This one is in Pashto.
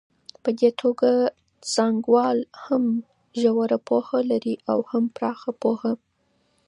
په دې توګه څانګوال هم ژوره پوهه لري او هم پراخه پوهه.